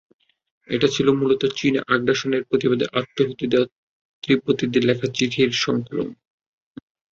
এটি ছিল মূলত চীনা আগ্রাসনের প্রতিবাদে আত্মাহুতি দেওয়া তিব্বতিদের লেখা চিঠির সংকলন।